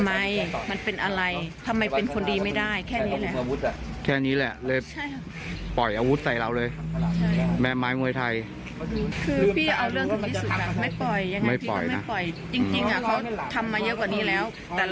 อันนี้เขาก็เคยถีดพังมาไม่รู้เท่าไหร่แล้ว